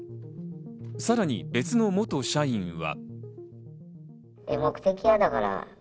さらに別の元社員は。